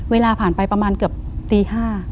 เวลาผ่านไปประมาณเกือบตี๕